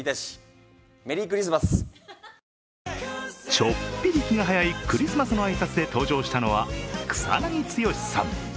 ちょっぴり気が早いクリスマスの挨拶で登場したのは草なぎ剛さん。